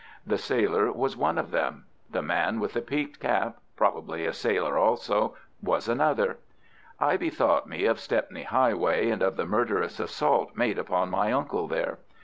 The sailor was one of them. The man with the peaked cap—probably a sailor also—was another. I bethought me of Stepney Highway and of the murderous assault made upon my uncle there.